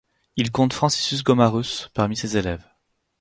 Il compte Franciscus Gomarus parmi ses élèves.